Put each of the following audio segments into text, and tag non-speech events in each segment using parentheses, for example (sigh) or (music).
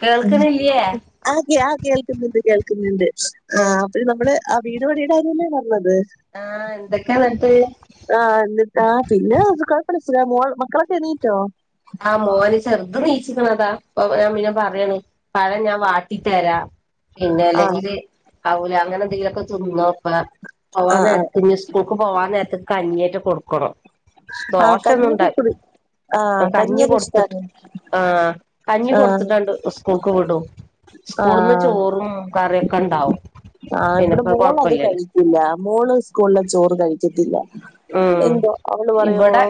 കേൾക്ക്ണില്ല്യേ? ആ കേൾക്കുന്നുണ്ട് കേൾക്കുന്നുണ്ട് ആ അ നമ്മള് ആ വീട് പണിയുടെ കാര്യല്ല ആഹ് എന്തൊക്കെയാന്നിട്ട് ആഹ. എന്നിട്ടാ പിന്നെഴ മോ മക്കളൊക്കെ എണീറ്റോ ആഹ് മോന് ചെറുത് നീച്ചിക്കുന്നതാ ഞാൻ മന്നെ പറയണ പഴ ഞാൻ കട്ടിത്തരാ പിന്നെ ആ അല്ലെങ്കിൽ അവല് അങ്ങനെ എന്തെങ്കിലുംമൊക്കെ തിന്നോ അപ്പ ആ പോവാൻ ആ നേരത്തി സ്കൂൾക്ക് പോവാാന നേരത്തി കഞ്ഞിയേറ്റ് കൊടുക്കണം ആ ദോശൊന്നും കഞ്ഞി ഓക്കേ ഉണ്ടായി കുടിക്കും ആ കഞ്ഞി ഇഷ്ടാൻ ആ കഞ്ഞി കൊടുത്തിട്ടുണ്ട് സ്കൂൾക്ക് വിടും ആ സ്കൂളിൽ നിന്ന് ചോറും കറിയൊക്കെണ്ട് ഉണ്ടാവും ആഹ ഇവിടെ പിന്നെപ്പോ മോള അത് കൊഴപ്പില്ലല്ലോ കഴിക്കില്ല മോള് സ്കൂളിൽ ചോറ് കഴിക്കത്തില്ല ഉം എന്തോ അവൾ ഇവിടെ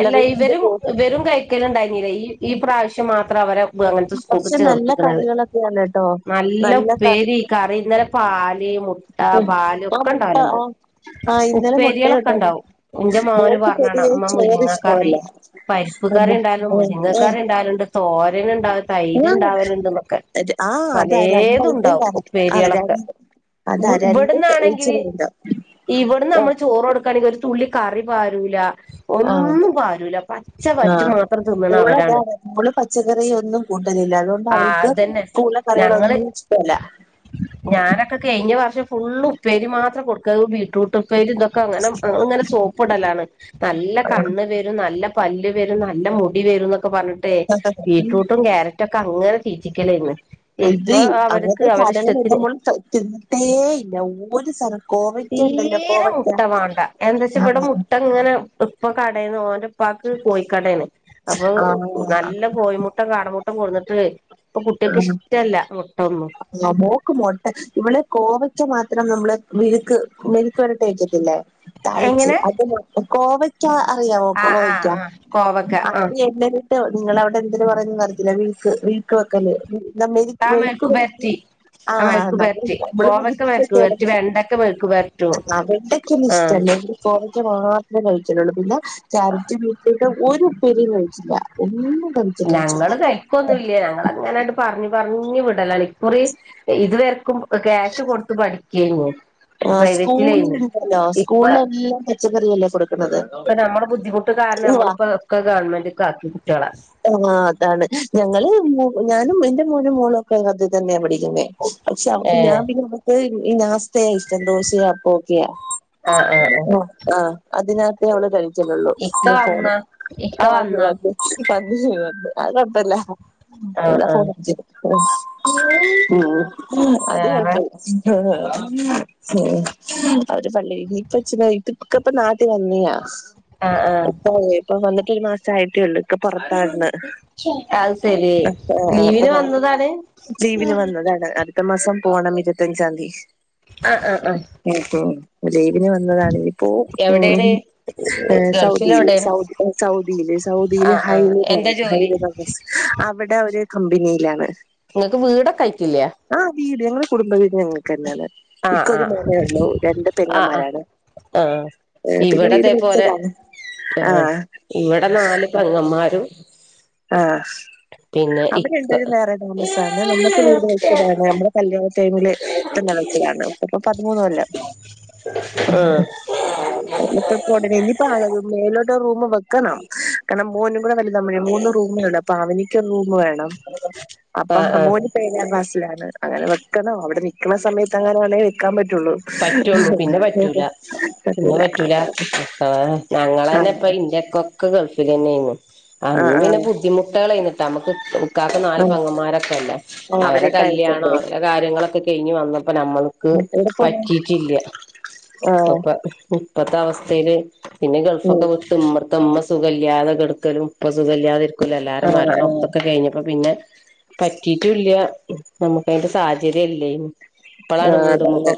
എല്ല ഇവരും ഇവരും കഴിക്കല് ഉണ്ടായിരുന്നില്ല ഈ ഈ പ്രാവശ്യം മാത്രം അവരെ അങ്ങനത്തെ സ്കൂൾ പക്ഷെ നല്ല ചേർതകിനത് കറികളൊക്കെയാണ് കേട്ടോ നല്ല ഉപ്പേരി കറി ഇന്നലെ പാൽ മുട്ട പാല് ആ ഒക്കെ മുട്ട ഉണ്ടാവലുണ്ട് ആ ആ ഇന്നലെ ഉപ്പേരിയള ക്കെ മുട്ടയുണ്ടായിരുന്നു ഉണ്ടാവും. എന്റെ മോന് മോൾക്ക് പറഞ്ഞാണ് പൊതുവെ അമ്മ ചോറ് മുലങ്ങക്കറി ഇഷ്ടമല്ല പരിപ്പ് ആ കറി മു- ഉണ്ടായിലും ആ മുരിങ്ങ ആ, കറി ണ്ടുണ്ട്, തോരന്, ഉണ്ട തൈര്, ആ ഉണ്ടാവരുണ്ട്ന്നൊക്കെ, അത് ആ അതാ രണ്ട് പലതു, ഐറ്റം ഉണ്ടാവും, കറി ആ ഉപ്പേരികളൊക്കെ. രണ്ട് അതാ രണ്ട് ഇവിടുന്നാണെങ്കിൽ, ഒഴിച്ചുകറിണ്ടാവും ഇവിടുന്ന്, ഓ നമ്മള്, ചോറ്, കൊടുക്ക ണെങ്കിൽ, ഒരു, തുള്ളി, കറി പ, രുല. ആ ഒന്നും, പാലൂല, പച്ച, ആ വറ്റു, മാത്രം, തിന്നണം, അവരാണ്. ല്ല, അതുകൊണ്ട്, ആ അവൾക്ക്, അതന്നെ ഞങ്ങള് പൂലക്കറികളൊന്നും, ഇഷ്ടല്ല. ഞാനൊക്കെ, കഴിഞ്ഞ, വർഷം, ഫുള്ള്, ഉപ്പേരി, മാത്രം, കൊടുക്ക ബീറ്റ്റൂട്ട് ഉപ്പരി ഇതൊക്കെ അനെങ്ങനെ സോപ്പടലാണ് നല്ല കണ്ണ് വരും നല്ല പല്ല് വരും നല്ല മുടി വരും എന്നൊക്കെ പറഞ്ഞിട്ടേ ബീട്രൂട്ടും കക്യാരറ്റൊക്കെ അങ്ങനെ തീട്ടിക്കേലെർന്ന ഇത് അങ്ങനത്തെ സ്ഥലങ്ങൾ എത്തുമ്പോ തിട്ടേ ഇല്ല ഒരു സ്ഥലം തീരെ മുട്ട വേണ്ട എന്താ വച്ചാ ആ ഇവിടെ മുട്ട ഇങ്ങനെ ഇപ്പൊ കാ ഓന്റെപ്പാക്ക് കോഴിക്കട അപ്പൊ ആ നല്ല കോഴമുട്ട കാടമുട്ട ഇം കൊന്നിട്ടേ ആ മോക്ക് മൊട്ട ഇവിടെ കോവ ഒക്ക മാത്രം നമ്മള് വിര്ക്ക് മെലുക്ക് വരട്ടക്കത്തില്ലേ തളിച്ച എങ്ങനെ അ കോവക്കാ അറിയാം ആഹ് ആഹ് നോക്കോയ്ക്കത് ആഹ് കോവക്ക ആഹ് നിങ്ങള അവിടെ എതര് പറയന്ന് അറിത്തില്ല വീക്ക് വീക്ക് വെക്കല്ലേ ആ മെഴ്ക്ക് മെഴുക്ക് പുരട്ടി പെരട്ടി ആ ആഹ മെഴുക്ക് പെരട്ടി നമ്മള് കോവക്ക മെഴുക്ക് വിള പെരട്ടി വെണ്ടക്ക മെഴുക്ക് പെരട്ടും ആ വെണ്ടക്കന്നും ആഹ് ഇഷ്ടല്ലേ കോവക്കാ മാത്രമേ കഴിക്കലുള്ളൂ പിന്നെ ക്യാരറ്റ് ബീറ്റ്റൂട്ട് ഒരു ഫെരിഹച്ചില്ല ഉ ഞങ്ങള് കഴിക്കൊന്നുംല്ല ഞങ്ങള അങ്ങനായിട്ട് പറഞ്ഞഞ് പറഞ്ഞു വിടലണ് ഇകുറി ഇതൂവർക്കും ക്യാഷ് കൊടുത്ത പഠിക്കും (inaudible) ആ സ്കൂളിൽ ഉണ്ടല്ലോ ഇപ്പൊ സ്കൂളില എല്ലാം പച്ചക്കറി എല്ലാം കൊടുക്കും ഇപ്പൊ നമ്മുടെ ബുദ്ധിമുട്ട് കാരണം നമ്മിപ്പോ ഒക്കെ ഗവൺമെന്റ് ഒക്ക ആക്കി കുട്ടികളെ ആ അതാണ് ഞങ്ങള് ഞാനും എന്റെ മോനും മോളും ഒക്കെ അദ്യ തന്നെയ പഠിക്കുന്നേ പക്ഷെ അവക്ക് ഏ ഞാൻ പിന്നെ അവിക്ക് ഈ നാസ്തയാ ഇഷ്ടം ദോശയാ അപ്പൊക്കെയാ ആഹ് ആഹ് ആഹ് ആ ആ അതിനത്തെ അവൾ കഴിക്കു ല്ലോ ഇക്ക എ ഫോണ് വന്നാ ഇക്ക ആ് വത് വന്നാ വ പ വ അഴപ്പല്ല ഉ ആഹ് അത് ആഹ് വേറെ കൊഴപ്പല്ല അവര് പള്ളി നീപ്പച്ചഛ ഇപ്പക്കപ്പ നാട്ടിൽ വന്നിയാ ആഹ് ആഹ് ഉപ്പേ ഇപ്പ വന്നിട്ട് ഒരു മാസയിട്ടേള്ളൂ. പുറത്തായിരുന്നു അത് ശരി അപ്പൊ ആ ലീവിന് ഇപ്പം നാട്ട് വന്നതാണ് ലീവിന് ആഹ് വന്നതാണ് അടുത്ത മാസം പോണം ഇരുപത്തഞ്ചാതി. അ ആ ആ ഉം ഉം ലീവിന് വന്നതാണ് ഇതിപ്പോ ഉം എവിടെയാണ് ഹേ ഗൾഫിൽ സൗദില് എവിടെയാണ് സൗ സൗദില് സൗ ദീല് ആഹ് ആഹ് എന്താ ഹൈല്ന്ന്പറയും ജോലി ഹൈല് (unintelligible) അവിടെ ഒരു കമ്പനിയിലാണ്. ങ്ങക്ക് വീടൊക്കെ ആയിറ്റില്ലേ. ഞങ്ങൾ കുടുംബവീട് ഞങ്ങൾക്ക് തന്നെയാണ് ആഹ് ഇക്ക ഒരു ആഹ് മോനേ ഉള്ളു രണ്ട് ആഹ് ആഹ് പെങ്ങമാരാണ്. ആഹ് ഏ പിന്നെ വീട് വെച്ചതാണ്. ആ ആഹ് ഇവടെ നാല് പെങ്ങന്മാരും ആ പിന്നെ അവര് ഇക്ക രണ്ട്പേരും വേറെ താമസാണ് നമ്മുക്ക് വീട് വെച്ചതാണ് നമ്മുടെ കല്യാണ ടൈമില് തന്നെ വച്ചയാ. ഇപ്പപ്പം പതിമൂന്ന് കൊല്ല ആഹ് (unintelligible) ഇനിഞ്ഞിപ്പം അതൊന്നും മേലോട്ട് ഒരു റൂം വെക്ക ക്കണം കാരണം മോനും കൂടെ വലുതാവുമ്പഴേ മൂന്ന് റൂമേ ഉള്ളു അപ്പം അവനിക്ക് ഒരു റൂമ് വേണം. അപ്പ ആഹ് ആഹ് മോനിപ്പം ഏഴാം ക്ലാസ്സിലാണ് അങ്ങനെ വെക്കണം അവിടെ നി ക്കണ സമയത്ത് എങ്ങാനും ആണെങ്കിൽ വെക്കാൻ പ പറ്റുള്ളൂ പിന്നെ പറ്റൂല പിന്നെ പറ്റില്ല പറ്റൂല ആ ഞങ്ങളെന്നെപ്പ ഇന്റെ ഇക്കൊക്കെ ഗൾഫിൽനന്നെനി ആ അന്ന് ആ പിന്നെ ബുദ്ധിമുട്ടേളേനിട്ടോ നമുക്ക് ഇക്കാക്ക് നാല് ആ പൊങ്ങന്മാരൊക്കെല്ലേ ആ അവരെടെ അവരെയൊക്കെ കല്യാണം അയക്കണ്ടേ അവരുടെ കാര്യങ്ങളൊക്കെ കഴിഞ് വന്നപ്പോ നമ്മൾക്ക് എവിടെ പോണു പറ്റിട്ടില്ല ആ ഇപ്പൊപ്പോ ഇപ്പത്തെ അവസ്ഥയില് പിന്നെ ഉം ഗൾഫൊക്കെവിട്ടു ഇവിട്ത്തേ ഇമ്മ സുഖല്ലാതെ കെടക്കലും ഇപ്പ സുഖല്ലാതെ ഇ എല്ലാരെ ആ ആ മരണം ഇതൊക്കെ കഴിഞ്ഞപ്പോ പിന്നെ പറ്റീട്ടുല്ല നമുക്കതിന്റെ സാഹചര്യം ഇല്ലേനി ഇപ്പളാണ് വീട്മ്മ ര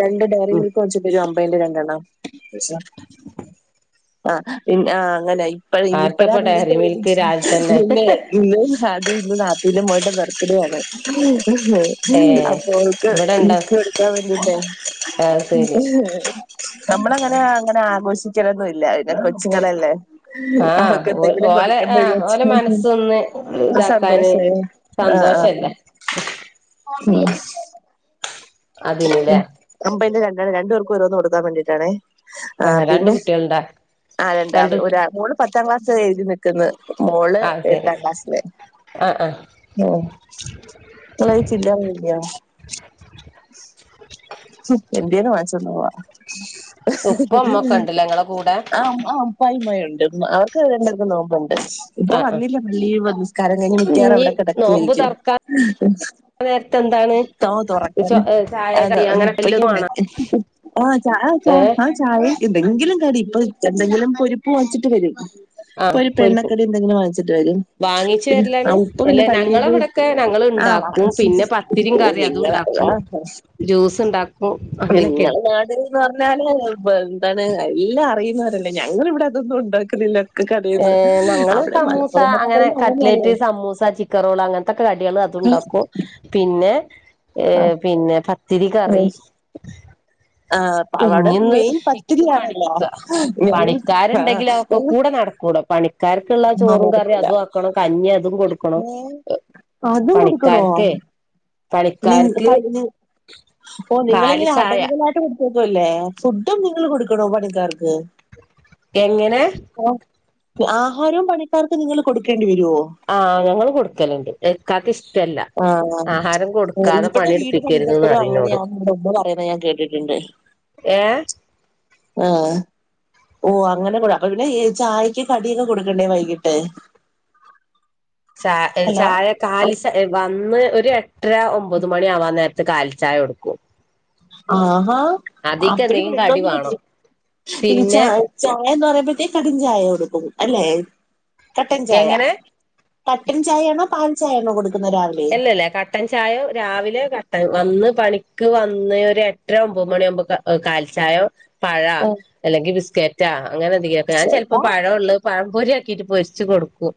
രണ്ട് ഡയറി ഉം മിൽക്ക് വെടിച്ചിതരും അമ്പൈന്റെ രണ്ടണ്ണം. (unintelligible) ആ പിന്ന ആ അങ്ങനായി. ഇനിപ്പഴേ ആർക്കപ്പ അതക്കേ ഡയറി മിൽക്ക് രാവിലെ വേടിച്ചിട്ട് തന്നെ ഇന്നെ ഇന്ന് അത് ഇന്ന് നാത്തൂന്റെ മോള്ടെ ബർത്ത്ഡേ യാണ്. ഏ അപ്പൊ ഓക്ക് ഇവിടെണ്ടോ ഗിഫ്റ്റ് കൊടുക്കാൻ വേണ്ടിട്ടേ അത് ശരി നമ്മളങ്ങനെ അങ്ങനെ ആഘോഷി ക്കലൊന്നും ഇല്ല പിന്നെ കൊച്ചുങ്ങളല്ലേ. ആഹ് അവക്ക് ഓ എന്തെങ്കിലും ഓല ആ കൊടുക്കണ്ടേ ഓല വിചാരിച്ച് മനസ്സൊന്ന് ഇതാക്കാന് സന്തോഷായോ സന്തോ ന്തോഷല്ലേ. ഉം അതിന് ല്ലേ ഉം അമ്പൈന്റെ രണ്ടാ രണ്ടു പേർക്കും ഓരോന്ന് കൊടുക്കാൻ വേണ്ടിട്ടാണേ. ആ ആഹ് രണ്ട് പിന്നെ കുട്ടികള്ണ്ടാ ആ രണ്ട് ഒരാ മോന് പത്താം ക്ലാസ് എഴുതി നിക്ക്ന്ന്. മോള് ആഹ് ശരി എട്ടാം ക്ലാസില്. ആഹ് ആഹ് ആ ങ്ങള് എന്താ ചേർത്താൻ വൈകിയോ? പിറ്റേന്ന് വാങ്ങിച്ചോണ്ടവാ ഉപ്പ ഉമ്മൊക്കെ ഉണ്ടല്ലേ (unintelligible) ഇങ്ങളെ കൂടെ ആ ഉപ്പായും ഉമ്മായും ആയി. ണ്ട് അവർക്ക് രണ്ട് പേർക്കും നോബുണ്ട്. ഇപ്പൊ ആഹ് ആഹ് വന്നില്ല പള്ളിയിൽ നിസ്കാരം കഴിഞ്ഞ് മിക്കവാറും ഇഞ്ഞി അവിടെ കിടക്കായിരിക്കും. ആ നേരത്ത് എന്താണ് ചോ ചായ കടി അങ്ങനെ എല്ലതും പയ്യന്നെ വാണോ ആ ആ ഏഹ് ആ ചായ എന്തെങ്കും എന്തങ്കിലും കടി ഇപ്പൊ എന്തെങ്കിലും പൊരിപ്പ് വാങ്ങച്ചിട്ട് വരും. ഇപ്പൊ ആഹ് ഒരു പൊരിപ്പ് എണ്ണക്കടി എന്തെങ്കിലും വാങ്ങിച്ചിട്ട് വരും വാങ്ങിച്ചു പിന്നെ ആ വരലാണ് ഉപ്പ അല്ല പിന്നെ ഞങ്ങളെ പള്ളിയില് ഇവിടൊക്കെ ഞങ്ങള് ആഹ് ഇണ്ടാക്കും വാപ്പച്ചി പിന്നെ പത്തിരിയും കറിയും അതും പോവില്ല ഉണ്ടാക്കും ആ ഹാ. ജ്യൂസ് ഇണ്ടാ നിങ്ങളെ നാട്ന്ന് പറഞ്ഞാല് എന്താണ് എല്ലാം അറിയുന്നവരല്ലേ ഞങ്ങള് ഇവിടെ അതൊന്നും ഉണ്ടാക്കുന്നില്ല. ഒക്കെ ഏ കടേന്ന് ഞങ്ങൾ അവിടെ സമൂസ മലപ്പുറം എന്നൊക്കെ അങ്ങനെ പറയുമ്പോ കട്ലേറ്റ് സമൂസ ചിക്കൻ റോള് അങ്ങനത്തെക്കെ കടികൾ ഉ അങ്ങനെയല്ലേ ഉൺണ്ടാക്കും പിന്നെ പിന്നെ പത്തിരി കറി ആഹ് അവിടെ ഇങ്ങന്ന് മെയിൻ ഇക്ക് പത്തിരിയാണല്ലോ പണിക്ക ഞങ്ങ ആഹ് പണിക്കാരുണ്ടെങ്കിലും അവൊക്കെ കൂടെ നടക്കും കൂട പണിക്കാർക്കുള്ള ഞങ്ങ ചോറും കറിയും കൊടുക്കില്ല അതും ആക്കണം കഞ്ഞി അതും കൊടുക്കണം ഏഹ് അതും കൊടുക്കണോ? പണിക്കാർക്കേ പണിക്കാർക്ക് നിങ്ങള് കാലി ഇങ്ങനെ ചായ അടങ്കലായിട്ട് കൊടുത്തേ ഫുഡും നിങ്ങൾ കൊടുക്കണോ പണിക്കാർക്ക് എങ്ങനെ? ആഹാരവും പണിക്കാർക്ക് നിങ്ങൾ കൊടുക്കേ ആഹ് ഞങ്ങള് കൊടുക്കലണ്ട് ഇക്കാക്ക് ഇഷ്ട ഇല്ല ആഹ് ആഹാരം കൊടുക്കാതെ ഇവിടെ പണി വീട് എടുപ്പിക്കരുതുന്ന് പണിതപ്പോഴും പറയുംന്നോട് അങ്ങനെയാണ് ഇവിടെ ഉമ്മ പറയുന്നത് ഞാൻ കേട്ടിട്ടുണ്ട് ഏ ആഹ് ഓ അങ്ങനെ കൊട അപ്പ പിന്നെ ചായയ്ക്ക് കടിയൊക്കെ കൊടുക്കണ്ടേ വൈകിട്ട് ച ഹലോ ചായ കാലി ചാ വന്ന് ഒര് ഒരു എട്ടര ഒമ്പത് മണി ആവാൻ നേരത്ത് കാലിചായ കൊടുക്കും ആഹാ അ അതിക്ക് വണ്ട എന്തെങ്കിലും കടി (unintelligible) പറ്റില്ല വേണം ഈ ച പിന്നെ ചായന്ന് പറയ്മ്പ പിന്നെ കടും ചായ കൊടുക്കും അല്ലെ കട്ടൻ ചായ എങ്ങനെ കട്ടൻ ചായയാണോ പാൽ ചായ ആണോ കൊടുക്ക് ഇല്ല ഇല്ല കട്ടൻ ചായോ രാവിലെയോ കട്ടൻ വന്ന് പണിക്ക് വന്ന് ഒരു എട്ടര ഒമ്പത് മണിയാവുമ്പോ കാ കാലിച്ചായ പഴാ അല്ലെങ്കിൽ ബിസ്ക്കറ്റാ അങ്ങനെ എന്തെങ്കിലൊക്കെ ഞാൻ ചിലപ്പോ ചേട്ടാ പഴം ഉള്ളത് പഴംപൊരി ആക്കി പൊരിച്ച് കൊടുക്കും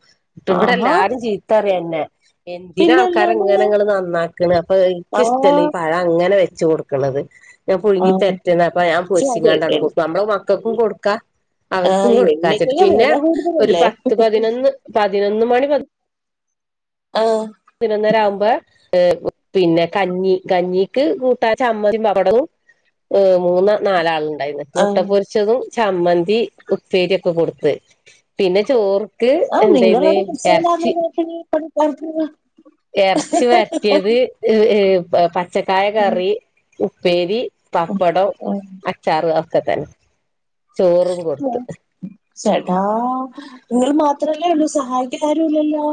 ഇവിടെ ആഹാ എല്ലാരും ചീത്തറിയന്നെ എ എന്തിനാ ആൾക്കാരെ പിന്നല്ലാണ്ട് ഇങ്ങനെങ്ങള് നന്നാക്കണ് അപ്പൊ എനിക്ക് ആ ഇഷ്ടല്ലേ ഈ പഴ അങ്ങനെ വെച്ച് കൊടുക്കണത് ഞാൻ ആ പുഴുങ്ങി തെറ്റേ അപ്പൊ (unintelligible) ഛെ, അത് ഞാൻൊരിശങ്ങാണ്ടാണ് കൊടുക്ക നമ്മള മക്കൾക്കും കൊടുക്കാം ആ, അവർക്കും കൊടുക്കാച്ചിട്ട് എണ്ണയ്ക്കൊക്കെ പിന്നെ വില ഒരു കൂടുതലല്ലേ പത്ത് പതിനൊന്ന് പതിനൊന്ന് മണിമുതലെ - ആ പതിനൊന്നര ആവുമ്പ- പിന്നെ കഞ്ഞി കഞ്ഞിക്ക് കൂട്ടാ ചമ്മയും പപ്പടവും ഓ മൂന്ന് നാലാളു ആ മുട്ട പൊരിച്ചതും, ചമ്മന്തി, ഉപ്പേരി ഒക്കെ കൊടുത്ത് പിന്നെ ചോറ്- ആ നിങ്ങളോട് കുശാലാന്നു നോക്കി പണിക്കാർക്ക് ഇറച്ചി വരറ്റിയത് പച്ചക്കായ ആ, കറി ഉപ്പേരി പപ്പടം ആ, ആ. അച്ചാറ് ഒക്കെ തന്നെ ചോറും കൊടുത്ത് ശെടാ നിങ്ങള് മാ മാത്രല്ലേ ഉള്ളൂ സഹായിക്കാൻ ആരുല്ലല്ലോ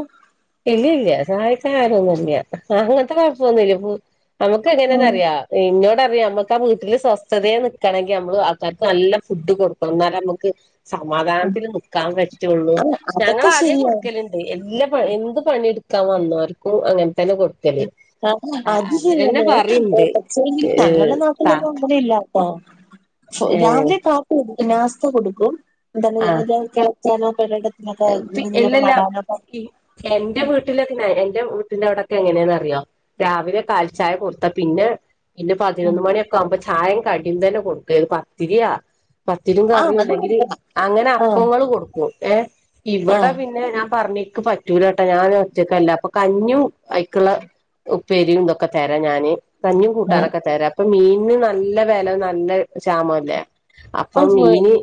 ഇല്ല ഇല്ല സഹായിക്ക ആരൊന്നുംല്ല അങ്ങനത്തെ കുഴപ്പൊന്നുല്ല മ് നമുക്ക് ആ, എങ്ങനെയാന്ന് അറിയാം ഇങ്ങോ എനിക്കറിയാം നമ്മക്ക് ആ വീട്ടില് സ്വസ്ഥതയെ നിക്കണെങ്കിൽ നമ്മള് ആൾക്കാർക്ക് നല്ല ഫുഡ്- കൊടുക്കണം എന്നാലെ നമുക്ക് ആ, സമാധാനത്തിൽ നിക്കാൻ പറ്റുള്ളൂ ഞങ്ങള് അതൊക്കെ ആദ്യേ ശരിയാണ് കൊടുക്കല്ണ്ട് എല്ലാ പ ഏ എടുക്കാൻ വന്നവർക്കും അങ്ങനെ കൊടുക്കല് ആ അത് അവരെന്നെ ശരിയന്നെ പറയ്ണ്ട് പക്ഷേങ്കില് ഏ ഞങ്ങള്ടെ താ നാട്ടിലൊന്നും അങ്ങനെ ഇല്ല ആ ഏ രാവിലെ കാപ്പി കൊടുക്കും നാസ്ത കൊടുക്കും എന്താന്ന് വിചാരിച്ചാ ചിലപ്പോഴേക്കേ ഇല്ലല്ല എന്റെ വീട്ടിലൊക്കെ നേരെ എൻറെ വീട്ടിന്റെ അവിടെ എങ്ങനെയന്നറിയാം രാവിലെ കാലിച്ചായ കൊടുത്ത പിന്നെ പിന്നെ പതിനൊന്ന് മണിയൊക്കെ ആവുമ്പോ ചായേം കടിം തന്നെ കൊടുക്കരുത് പത്തിരിയാ പത്തിരിം ആ കറിം അത് ഇല്ലെങ്കില് കൊടുക്കണം അങ്ങനെ ആ അപ്പങ്ങള് കൊടുക്കും ഏ ഇവിടെ പിന്നെ ഞാൻ പറഞ്ഞെക്ക് പറ്റൂലട്ടാ ഞാൻ ഒറ്റക്കല്ല അപ്പൊ കഞ്ഞു അയ്ക്കുള്ള ഉപ്പേരിയും ഇതൊക്കെ തരാം ഞാന് കഞ്ഞിയും ആ കൂട്ടാനൊക്കെ തരാം അപ്പൊ മീ ന് നല്ല വെല നല് ശാമംല്ലേ ആ അപ്പം മീന്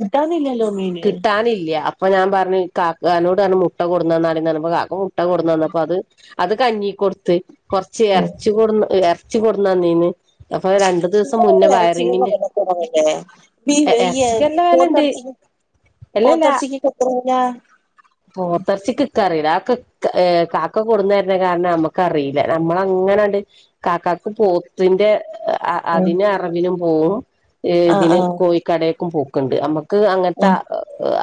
കിട്ടാനില്ലല്ലോ മീന് കിട്ടാനില്ല അപ്പൊ ഞാൻ പറഞ്ഞ് ഈ കാക്കാനോടാണ് മുട്ട കൊട്ന്നാടിന്ന് പറഞ്ഞൊ കാക്ക മുട്ട കൊടുന്ന്തന്നപ്പൊ അത് അത് കഞ്ഞി കൊടുത്ത്. കൊർച്ച് എർച്ചി കൊടു എർച്ചി കൊടുന്നാന്നീന്. നിങ്ങളെ അവിടെ ഇറച്ചിക്കൊക്കെ വില കൊറവല്ലേ ഈ എറച്ചിക്കെല്ല പോത്ത് വെലണ്ട് ഇറച്ചി പോത്തർചിക്കൊക്കെ പോത്തെർച്ചിക്ക് അറിയില്ല. ആ കാക്ക കൊടുന്നരുന്ന കാരണം നമുക്കറിയില്ല. നമ്മള അങ്ങനെണ്ട് കാക്ക പോത്തിൻ്റെ അതിന് അറവിനും പോവും. ആ ഇതിന് ആ കോഴിക്കടേക്കും പോക്കുണ്ട് അമ്മക്ക് ക്ക് അങ്ങനത്തെ ആ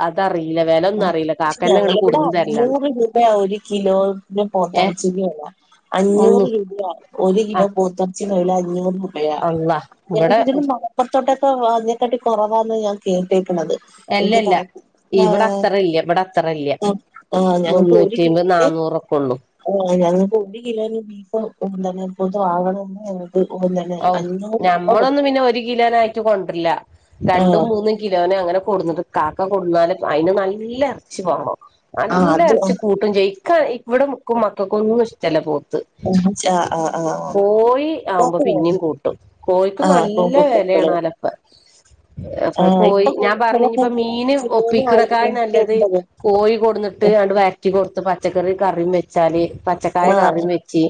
അതറിയില്ല. വില ഒന്നും അറിയില്ല. പക്ഷെ കാക്കന്നെ ഇങ്ങട് ഞങ്ങളിവിടെ കൊടുന്ന് തരലാണ് അഞ്ഞൂറ് രൂപയാ ഒരു കിലോ ഏ പോത്തർച്ചിൻ്റെ വില. മുന്നു അഞ്ഞൂറ് രൂപ. ഒരു കിലോ പോത്തർച്ചി കയ്യില അഞ്ഞൂർ രൂപ. അളള ഞാൻ കര്തി മലപുറത്തോട്ട് അതിനക്കാട്ടിലും കുറവാ ഞാൻ കേട്ടേക്ക്ണത്. ഇൻക്ക് അല്ലല്ല കറക്റ്റ് ഇവിടെ ആഹ് അത്ര ഇല്ല. ഇവിടെ അത്ര ഇല്ല. മുന്നൂറ്റമ്പത് നാന്നൂറൊക്കെ ഒളളു. ആ ഞങ്ങക്ക് ഒരു കിലോന് ബീഫ് എന്താണ് ഇവട്ന്ന് വാങ്ങണകിൽ ഔ ഞമ്മളൊന്നും പിന്നെ ഒരു കിലോനായിറ്റ് കൊണ്ടില്ല. രണ്ടും ആഹ് മൂന്നും കിലോനെ അങ്ങനെ കൊടുന്നിട്ട് കാക്ക കൊടുന്നാല് അതിന് നല്ല ഇറച്ചി വാണം. ആഹ് നല്ല അത് ഇറച്ചികൂട്ടും ചെയ്യും. ഇക്ക ഇവിടെ ഇൻക്കും മക്കൾക്കും ഒന്നും ഇഷ്ടല്ല പോത്ത് ആഹ് ആഹ് ആഹ് കോഴി ആവുമ്പോ ഇപ്പാക്ക് വേണം പിന്നിം കൂട്ടും. കോഴിക്ക് ആഹ് നല്ല കോഴിക്കോട് വെലേണേലൊപ്പൊ. അപ്പൊ ആഹ് കോഴി. ഇപ്പൊ ഞാൻ കുഴിച്ച് പറഞ്ഞു വില ഞ്ഞിപ്പ കൂടി മീന് കിലോന് ഒപ്പിക്ക്ണക്കായും ആയിരത്തി നല്ലത് എൺപത് കോഴി കൊട്ന്ന് ട്ട്. ആണ്ട് വര്റ്റി കൊട്ത്ത്. പച്ചക്ക റി കറിം വെച്ചാല്. പച്ചക്കായ ആഹ് കറിം വെച്ച്.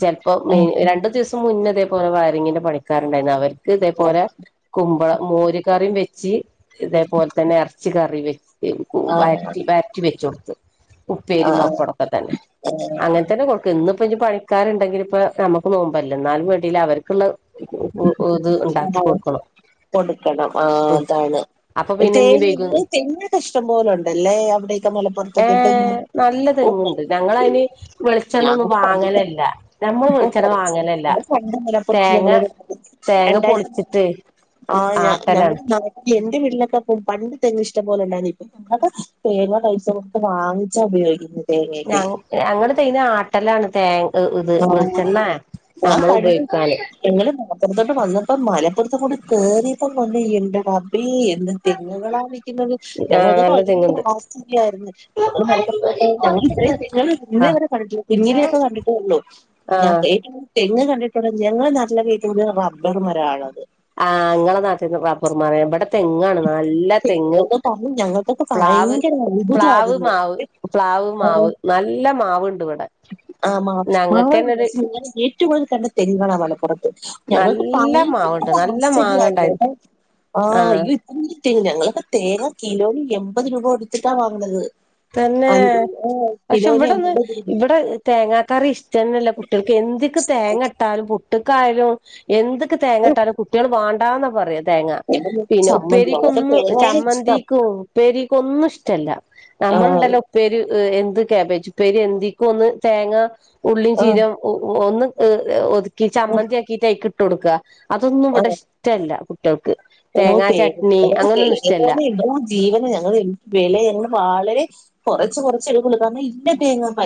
ചെൽപ്പോ ആഹ് രണ്ട് ദിവസം മുന്നേ ഇതേ തേപോലെ വയറിങ്ങിന്റെ പണിക്കാര്ണ്ടായിരുന്നു. അവർക്ക് ഇതേപോലെ കുമ്പളം മോരുകറിം വെച്ച് ച്ച് ഇറച്ചി ഇതേപോലെ തന്നെ എർച്ചി കറി വെച്ച്. ആഹ് വര്റ്റി വര്റ്റി വെച്ചൊട്ത്ത്. ആഹ് ഉപ്പേരി പപ്പടൊക്കെ തന്നെ. ആഹ് അങ്ങൻ തന്നെ കൊടുക്കല്. ഇന്ന് ഇപ്പ ഇപ്പ പണിക്കാരുണ്ടെങ്കിൽ ഇപ്പ നമുക്ക് നോമ്പല്ലേ. ഇന്നാലും വേണ്ടില അവർക്ക്ളളത്. ഉ ഉ ഇത് ഉണ്ടാക്കി ആഹ് കൊടുക്കണം. കൊടുക്കണം ആ ഉം അതാണ്. അപ്പൊ പിന്നെ ഇനി തേങ്ങ നീ വൈകും തെങ്ങൊക്കെ ഇഷ്ടം പോലെണ്ടല്ലേ. അവിടൊക്കെ മലപ്പുറത്തൊക്കെ തെങ്ങ്. ണ്ട്. ഞങ്ങള അതിന് വെളിച്ചെണ്ണ ഞാൻ ഒന്നും പണ്ട് വാങ്ങലല്ല. ഞമ്മൾ ഓ വെളിച്ചെണ്ണ കുറച്ച് വാങ്ങലല്ല. തേങ്ങ (unintelligible) തേങ്ങ പൊളിച്ചിട്ട് ആട്ടലാണ് എന്റെ വീട്ടിലൊക്കെ പോ പണ്ട തെങ്ങ് ഇഷ്ടം പോലെ ഉണ്ടായിന്ന്. ഇപ്പ തേങ്ങ പൈസ കൊടുത്ത് വാങ്ങിച്ചാ ഉപയോഗിക്കുന്നത്. ഞ തേങ്ങയൊക്കെ ഞങ്ങള് ടെ തേങ്ങ ആട്ടല്ലാണ്. തേ ഇത് ആ വെളിച്ചെണ്ണ നമ്മൾ ഉപയോഗിക്കാന്. പുറത്തോട്ട് വന്നപ്പോ മലപ്പുറത്തങ്ങോട്ട് കൂടി കേറിയപ്പം എന്റെ റ ബെ എന്ത് തെങ്ങുകളാണ് നിൽക്കുന്നത്. ആഹ് ഞങ്ങളത് നല്ല ഭയങ്കര തെങ്ങുണ്ട് ആസ്തിയായിരുന്നു ഞ മലപ്പുറത്തോട്ട് ഞങ്ങള് ഇത്രം തെങ്ങ്കൾ ഇന്നേ ആഹ് വരെ കണ്ടിട്ടില്ല. കുഞ്ഞിലെ ആഹ് ഒക്കെ കണ്ടിട്ടൊല്ലു. ള്ളൂ. ഞാൻ കേ തെങ്ങ് കണ്ടിട്ടുണ്ട്. ഞങ്ങളെ നാട്ടിലൊക്കെ കൂടുതൽ റബ്ബർ മരാണ്ളളത്. ആ. ങ്ങളെ നാട്ട്ക്ക് റബ്ബർ മരാണ്. ഇവിടെ തെങ്ങാണ്. നല്ല തെങ്ങ് തെങ്ങെന്ന് പറഞ്ഞു ഞങ്ങൾക്കൊക്കെ പ്ലാവ് ഭയങ്കര പ്ലാവ് അത്ഭുതമായിരുന്നു മാവ്. പ്ലാവ് മാവ്. നല്ല മാവ് ആ. മാ ഒരു (unintelligible) ഏറ്റവും കൂടുതൽ കണ്ട തെങ്ങുകളാ മലപുറത്ത്. ഞങ്ങൾക്ക് നല്ല മാവുണ്ട് ഭയങ്കര നല്ല ആശ്ചര്യമായിരുന്നു. മാങ്ങണ്ടായിരുന്നു ട്ടോ. ആ. ആഹ് (unintelligible) (unintelligible) ഞങ്ങളക്ക് തേങ്ങ കിലോയിൽ എൺപത് രൂപ കൊടുത്തിട്ടാ വാങ്ങണത്. തന്നെ. പക്ഷെ ഇവിടൊന്ന് എൺപത് ഇവിടെ തേങ്ങാക്കറി ഇഷ്ടന്നല്ല കുട്ട്യൾക്ക്. എന്തിക്ക് തേങ്ങ ഇട്ടാലും പു ട്ട്ക്കായാലും എന്തിക്ക് തേങ്ങട്ടാലും കുട്ടികൾ വാണ്ടാന്നാ പറയ. തേങ്ങ. എനിക്ക് പിന്നെ ചമ്മന്തി അതൊക്കെ ഉപ്പേരിക്കൊന്നും തേങ്ങയാണ് ഇഷ്ടം ചമ്മന്തിക്കും ഉപ്പേരിക്ക് ഒന്നും ഇഷ്ടല്ല. ആ നമ്മളിണ്ടല്ലോ ഉപ്പേര് എന്ത് കാബേജ് ഉപ്പേരി എന്തിക്കു ഒന്ന് തേങ്ങ ഉള്ളിയും ആ ചീര ഒന്ന് ഒതുക്കി ചമ്മന്തിയാക്കിയിട്ട് ഐക്ക് ഇട്ട് കൊടുക്ക അതൊന്നും ആ ഇവിടെ ഇഷ്ടല്ല കുട്ട്യൾക്ക് ഓ തേങ്ങാ ചട്നി അങ്ങനൊന്നും ഇഷ്ടല്ല (unintelligible) ഞങ്ങള് വില ഞങ്ങൾ വളരെ കുറച്ച് കുറച്ച് എടുക്കൊള്ളു കാരണം ഇല്ല തേങ്ങ (unintelligible)